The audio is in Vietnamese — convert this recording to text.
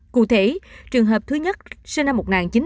cụ thể trường hợp thứ nhất sinh năm một nghìn chín trăm chín mươi